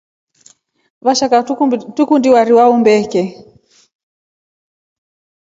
Vashaka tukundii warii wa umbeke.